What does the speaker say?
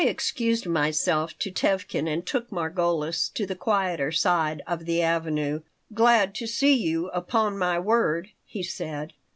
I excused myself to Tevkin and took Margolis to the quieter side of the Avenue "Glad to see you, upon my word," he said.